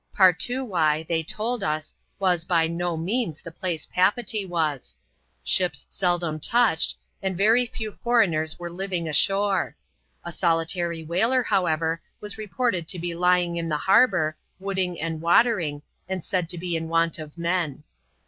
Partoowye, they told us, was, by no means, the place Papeetee was. Ships seldom touched, and very few foreigners were living ashore. A solitary whaler, however, was reported to be lying in the harbour, wooding and watering, and said to be iti want of men.